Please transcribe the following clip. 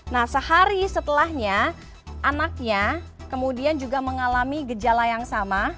nah sehari setelahnya anaknya kemudian juga mengalami gejala yang sama